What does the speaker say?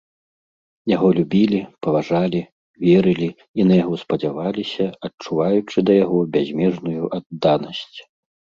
Яго любілі, паважалі, верылі і на яго спадзяваліся, адчуваючы да яго бязмежную адданасць.